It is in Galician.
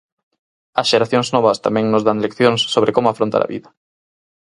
As xeracións novas tamén nos dan leccións sobre como afrontar a vida.